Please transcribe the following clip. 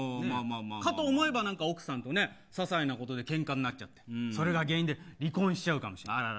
かと思えば奥さんとささいなことでけんかしてそれが原因で離婚しちゃうかもしれない。